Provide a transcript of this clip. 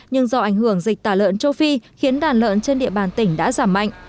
nhưng do ảnh hưởng dịch tả lợn châu phi khiến đàn lợn trên địa bàn tỉnh đã giảm mạnh